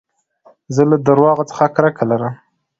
زه له درواغو څخه کرکه لرم.